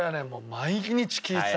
毎日聴いてた。